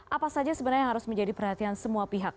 apa saja sebenarnya yang harus menjadi perhatian semua pihak